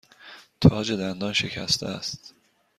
تاج دندان شکسته است.